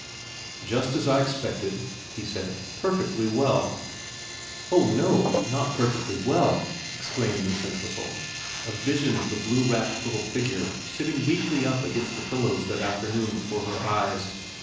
' Just as I expected,' he said. ' Perfectly well.' * Oh no not perfectly well/ exclaimed Miss Ent whistle, a vision of the blue wrapped little figure sitting weakly up against the pillows that afternoon before her eyes.